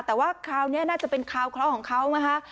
แต่ว่าคลาวเนี่ยน่าจะเป็นคลาวคล้อของเขานะคะ